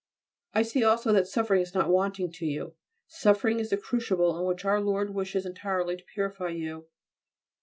I see also that suffering is not wanting to you. Suffering is the crucible in which Our Lord wishes entirely to purify you.